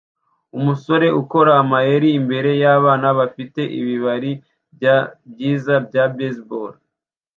Umusore ukora amayeri imbere yabana bafite ibibari byiza bya baseball